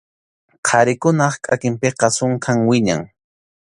Qharikunap kʼakinpiqa sunkham wiñan.